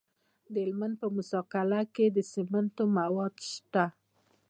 د هلمند په موسی قلعه کې د سمنټو مواد شته.